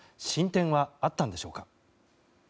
進展はあったのでしょうか。